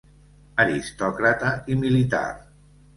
Aristòcrata i militar.